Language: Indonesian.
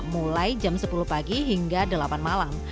mulai jam sepuluh pagi hingga delapan malam